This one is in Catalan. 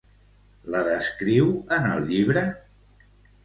La descriu en el llibre?